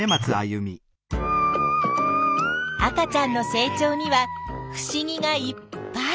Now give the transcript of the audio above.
赤ちゃんの成長にはふしぎがいっぱい。